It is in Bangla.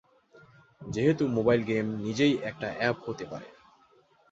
যেহেতু মোবাইল গেম নিজেই একটা অ্যাপ হতে পারে।